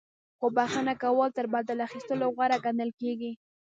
خو بخښنه کول تر بدل اخیستلو غوره ګڼل کیږي.